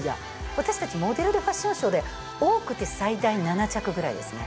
私たちモデルでファッションショーで多くて最大７着ぐらいですね。